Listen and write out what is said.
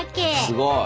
すごい。